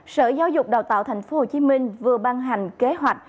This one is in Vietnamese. sở giáo dục đào tạo tp hcm vừa ban hành kế hoạch